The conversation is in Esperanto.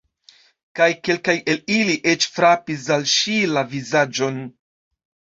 Kaj kelkaj el ili eĉ frapis al ŝi la vizaĝon.